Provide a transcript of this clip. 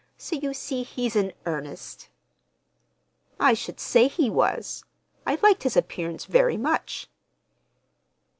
So you see he's in earnest." "I should say he was! I liked his appearance very much."